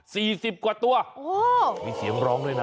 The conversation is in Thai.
สี่สิบกว่าตัวไม่เห็นร้องด้วยนะ